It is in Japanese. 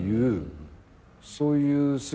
そういう姿をね